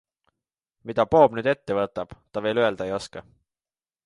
Mida Poom nüüd ette võtab, ta veel öelda ei oska.